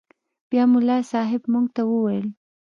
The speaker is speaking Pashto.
بيا ملا صاحب موږ ته وويل.